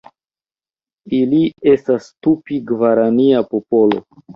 Ili estas Tupi-gvarania popolo.